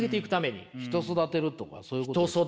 人育てるとかそういうことですか？